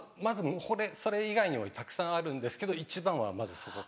それ以外にもたくさんあるんですけど一番はまずそこ。